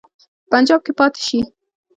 په پنجاب کې پاته شي.